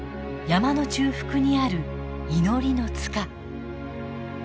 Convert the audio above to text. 山の中腹にある祈りの塚。